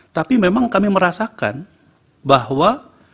tapi memang kami merasakan bahwa